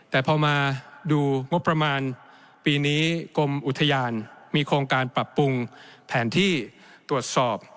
แต่พอมาดูงบประมาณปีนี้กรมอุทยานมีโครงการปรับปรุงแผนที่ตรวจสอบ